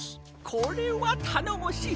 これはたのもしい！